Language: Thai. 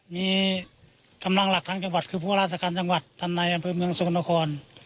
มีกำลังหลักทั้งจังหวัดคือพวกราชการจังหวัดท่านในอำเภอเมืองสกลนคร